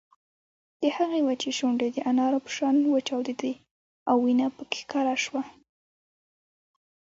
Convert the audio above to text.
د هغې وچې شونډې د انارو په شان وچاودېدې او وينه پکې ښکاره شوه